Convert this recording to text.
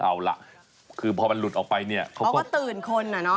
เอาล่ะคือพอมันหลุดออกไปเนี่ยเขาก็ตื่นคนอ่ะเนาะ